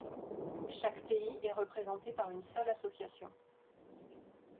Chaque pays est représenté par une seule association.